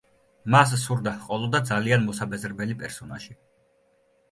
მას სურდა ჰყოლოდა ძალიან მოსაბეზრებელი პერსონაჟი.